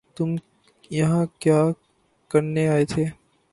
تم یہاں کیا کرنے آئے تھے